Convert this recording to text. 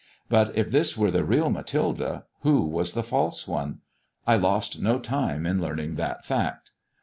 But if this were the real Mathilde, who was the false one ? I lost no time in learning that fact.